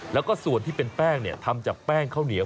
แล้วก็ส่วนที่เป็นแป้งทำจากแป้งข้าวเหนียว